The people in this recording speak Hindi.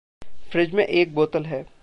फ्रिज में एक बोतल है।